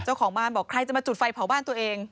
เจ้าของบ้านบอกใครจะมาจุดไฟเผาบ้านตัวเอง